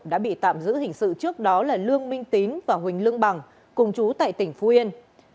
đã bị tạm giữ hình sự trước đó là lương minh tín và huỳnh lương bằng cùng chú tại tỉnh phú yên